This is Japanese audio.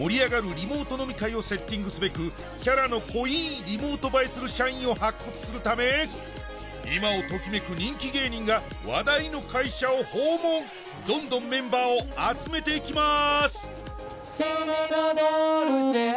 リモート飲み会をセッティングすべくキャラの濃いリモート映えする社員を発掘するため今をときめく人気芸人が話題の会社を訪問どんどんメンバーを集めていきます